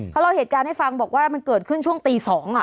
เขาเล่าเหตุการณ์ให้ฟังบอกว่ามันเกิดขึ้นช่วงตี๒